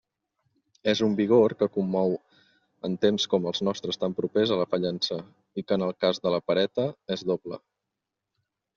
És un vigor que commou en temps com els nostres tan propers a la fallença, i que en el cas de la pereta és doble.